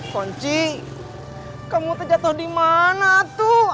konci kamu terjatuh di mana tuh